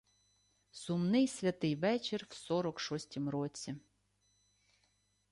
Сумний святий вечір в сорок шостім році.